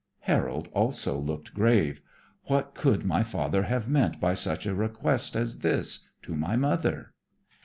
Harold also looked grave. "What could my father have meant by such a request as this to my mother?"